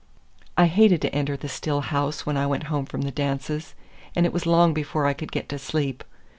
I hated to enter the still house when I went home from the dances, and it was long before I could get to sleep.